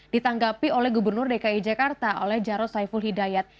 ditanggapi oleh gubernur dki jakarta oleh jarod saiful hidayat